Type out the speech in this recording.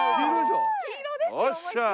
よっしゃー。